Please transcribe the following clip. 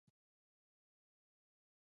د سترګو د درد لپاره د ګلاب او اوبو څاڅکي وکاروئ